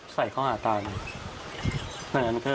ใส่เค้าหาตานึง